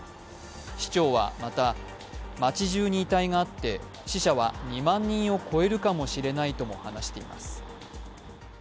市長は、また町じゅうに遺体があって死者は２万人を超えるかもしれないと話しています。